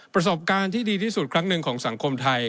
ประสบการณ์ที่ดีที่สุดครั้งหนึ่งของสังคมไทย